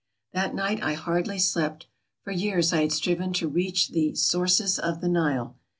That night I hardly slept. For years I had striven to reach the "sources of the Nile."